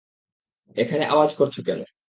এখানে আওয়াজ করছো কেন?